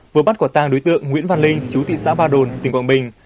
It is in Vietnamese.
vừa bắt quả tang đối tượng nguyễn văn linh chú thị xã ba đồn tỉnh quảng bình